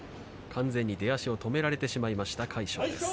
完全に出足を止められてしまいました魁勝です。